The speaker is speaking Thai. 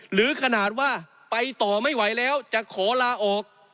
หรือขนาดว่าไปต่อไม่ไหวแล้วจะขอลาออก